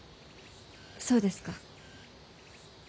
そうですか。